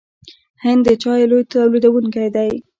هند د چایو لوی تولیدونکی دی.